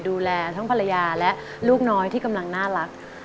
ดูแลทั้งภรรยาและลูกน้อยที่กำลังน่ารัก